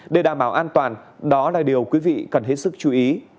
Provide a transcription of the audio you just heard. để đảm bảo an toàn đó là điều quý vị cần hết sức chú ý